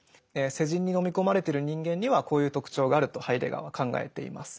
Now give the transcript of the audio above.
世人に飲み込まれてる人間にはこういう特徴があるとハイデガーは考えています。